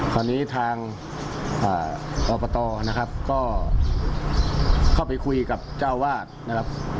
คราวนี้ทางอบตนะครับก็เข้าไปคุยกับเจ้าวาดนะครับ